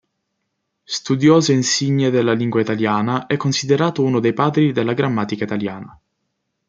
Studioso insigne della lingua italiana, è considerato uno dei padri della grammatica italiana.